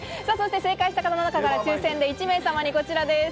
正解した方の中から抽選で１名様にこちらです。